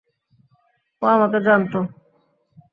ও আমাকে জানতো।